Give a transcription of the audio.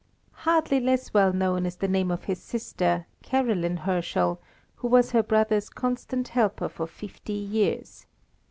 Hardly less well known is the name of his sister, Caroline Herschel, who was her brother's constant helper for fifty years.